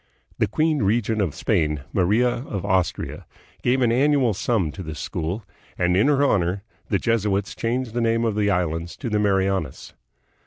The queen regent of Spain, Maria of Austria, gave an annual sum to this school, and in her honor the Jesuits changed the name of the islands to the Marianas.